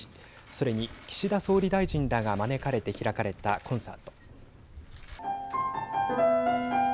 それに、岸田総理大臣らが招かれて開かれたコンサート。